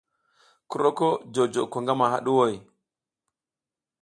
Ki roko jojo ko gamaɗuʼhoy?